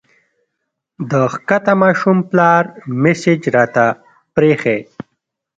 د ښکته ماشوم پلار مسېج راته پرېښی